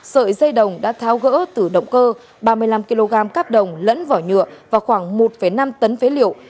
sợi dây đồng đã tháo gỡ từ động cơ ba mươi năm kg cáp đồng lẫn vỏ nhựa và khoảng một năm tấn phế liệu